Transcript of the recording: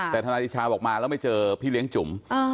แต่ทนายเดชาบอกมาแล้วไม่เจอพี่เลี้ยงจุ๋ม